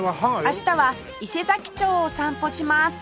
明日は伊勢佐木町を散歩します